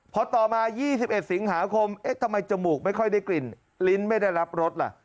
พอต่อมา๒๑สิงหาคมเอ๊ะทำไมจมูกไม่ค่อยได้กลิ่นลิ้นไม่ได้รับรสล่ะ